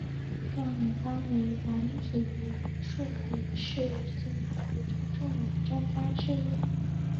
廖敏芳为软体业数位视讯领域中重要的专家之一。